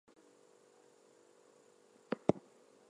During the competition, it was known as "Herning Stadion".